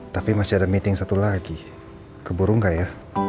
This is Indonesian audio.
tapi masih ada meeting satu lagi keburu nggak ya